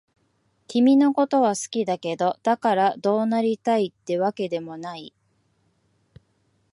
君のことは好きだけど、だからどうなりたいってわけでもない。